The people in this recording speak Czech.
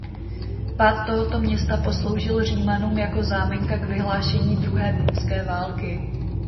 Pád tohoto města posloužil Římanům jako záminka k vyhlášení druhé punské války.